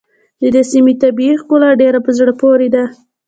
د دې سيمې طبیعي ښکلا ډېره په زړه پورې ده.